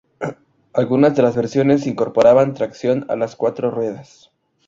Algunas de las versiones incorporaban tracción a las cuatro ruedas.